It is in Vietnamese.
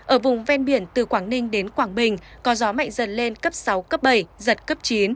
ở vùng ven biển từ quảng ninh đến quảng bình có gió mạnh dần lên cấp sáu cấp bảy giật cấp chín